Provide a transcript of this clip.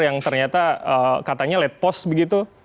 yang ternyata katanya late post begitu